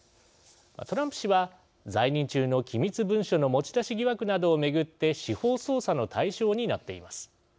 トランプ氏は、在任中の機密文書の持ち出し疑惑などを巡って司法捜査の対象になっています。